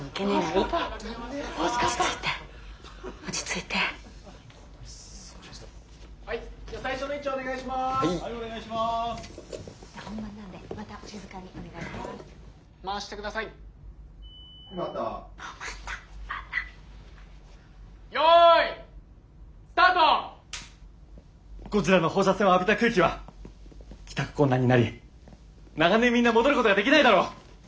ゴジラの放射線を浴びた区域は帰宅困難になり長年みんな戻ることができないだろう。